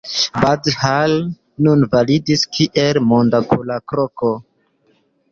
Bad Hall nun validis kiel „monda kuracloko“.